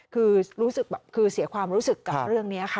คือเสียความรู้สึกกับเรื่องนี้ค่ะ